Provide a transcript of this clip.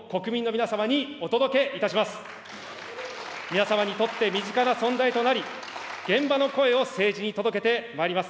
皆様にとって身近な存在となり、現場の声を政治に届けてまいります。